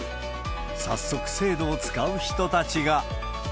早速制度を使う人たちが。